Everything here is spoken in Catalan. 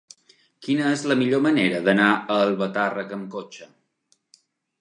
Quina és la millor manera d'anar a Albatàrrec amb cotxe?